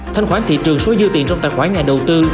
thanh khoản thị trường số dư tiền trong tài khoản nhà đầu tư